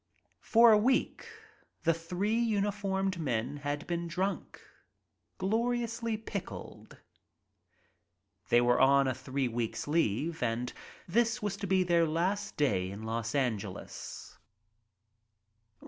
For a week the three uniformed men had been drunk, gloriously pickled. They were on a three weeks' leave and this was to be their last day in Los Angeles.